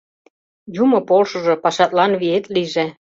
— Юмо полшыжо, пашатлан виет лийже!